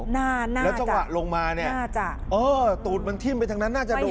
แล้วเจ้าขวัดลงมาโอ้ตูดธิ้นไปทางนั่นน่าจะโดน